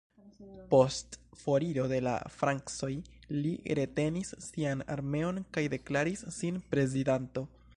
Post foriro de la francoj li retenis sian armeon kaj deklaris sin prezidanto.